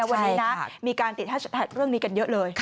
วันนี้นะมีการติดแฮชแท็กเรื่องนี้กันเยอะเลย